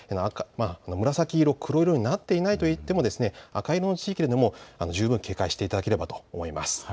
紫色、黒色になっていない赤色の地域でも十分注意していただければと思います。